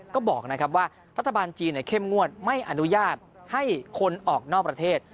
ก็บอกนะครับว่ารัฐบาลจีนเข้มงวดไม่อนุญาตให้คนออกนอกประเทศ